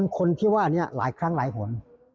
คนที่ว่านี้หลายครั้งหลายหน